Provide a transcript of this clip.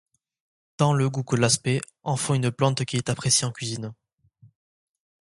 Tant le goût que l'aspect en font une plante qui est appréciée en cuisine.